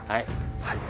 「はい」